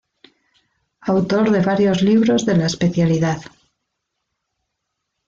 Autor de varios libros de la especialidad.